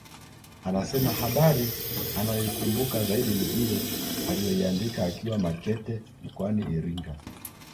Anasema habari anayoikumbuka zaidi ni ile aliyoiandika akiwa Makete mkoani Iringa